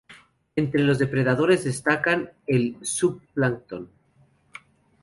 Entre los depredadores destaca el zooplancton.